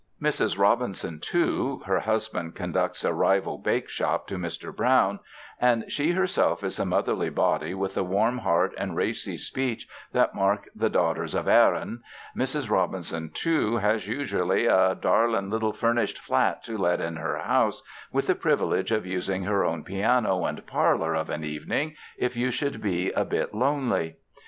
Mrs. Robinson, too — her husband con ducts a rival bake shop to Mr. Brown, and she her self is a motherly body with the warm heart and racy speech that mark the daughters of Erin — Mrs. Robinson, too, has usually a darlin' little furnished flat to let in her house, with the privilege of using her own piano and parlor of an evening, if you should be a bit lonely.